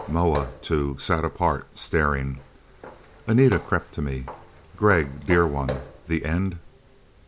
Moa too, sat apart staring. And Anita crept to me. "Gregg, dear one. The end...."